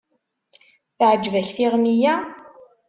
Teɛǧeb-ak tiɣmi-ya?